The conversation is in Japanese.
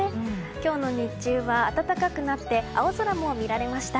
今日の日中は暖かくなって青空も見られました。